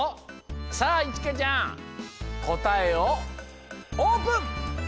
さあいちかちゃんこたえをオープン！